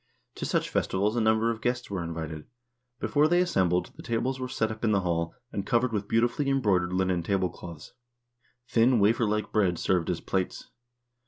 To such festi vals a number of guests were invited. Before they assembled, the tables were set up in the hall, and covered with beautifully embroi dered linen tablecloths. Thin wafer like bread served as plates.